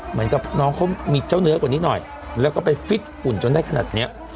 เหมือนกับน้องเขามีเจ้าเนื้อกว่านี้หน่อยแล้วก็ไปฟิตฝุ่นจนได้ขนาดเนี้ย